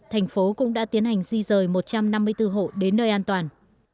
thành phố cũng đã tiến hành di rời một trăm năm mươi bốn hộ đến nơi an toàn